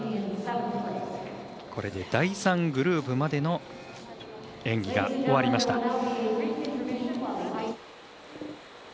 これで第３グループまでの演技が終わりました。